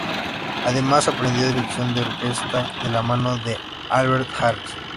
Además, aprendió dirección de orquesta de la mano de Albert Harris.